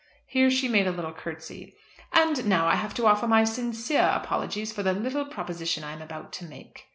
Here she made a little curtsy. "And now I have to offer my sincere apologies for the little proposition I am about to make."